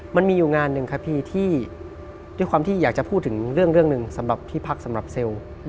มันมีอยู่งานหนึ่งครับพี่ที่ด้วยความที่อยากจะพูดถึงเรื่องหนึ่งสำหรับที่พักสำหรับเซลล์